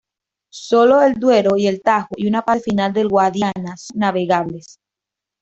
Solo el Duero y el Tajo y una parte final del Guadiana son navegables.